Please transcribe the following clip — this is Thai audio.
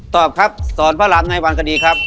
ตอบครับสอนพระรามในวันคดีครับ